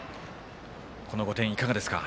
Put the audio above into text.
この５点、いかがですか？